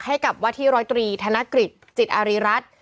ให้กับวัติฤตรีธนกฤษจิตอาริรัตน์